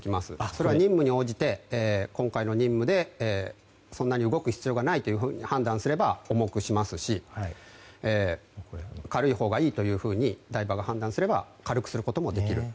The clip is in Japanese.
それは任務に応じてで今回の任務でそんなに動く必要がないと判断すれば重くしますし軽いほうがいいというふうにダイバーが判断すれば軽くすることもできる。